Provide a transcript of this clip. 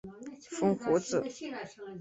风胡子。